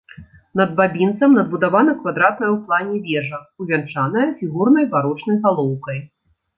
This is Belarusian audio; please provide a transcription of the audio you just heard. Над бабінцам надбудавана квадратная ў плане вежа, увянчаная фігурнай барочнай галоўкай.